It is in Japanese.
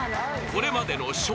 ［これまでの笑